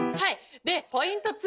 でポイント２。